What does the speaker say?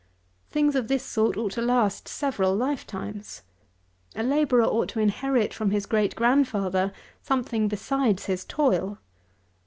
Things of this sort ought to last several lifetimes. A labourer ought to inherit from his great grandfather something besides his toil.